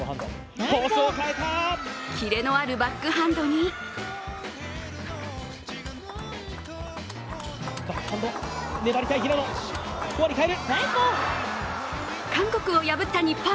キレのあるバックハンドに韓国を破った日本。